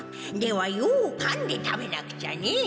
ではようかんで食べなくちゃね。